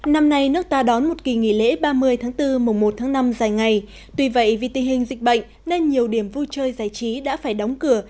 năm nay nước ta đón một kỳ nghỉ lễ ba mươi tháng bốn mùng một tháng năm dài ngày tuy vậy vì tình hình dịch bệnh nên nhiều điểm vui chơi giải trí đã phải đóng cửa